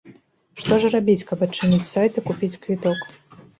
Што ж рабіць, каб адчыніць сайт і купіць квіток?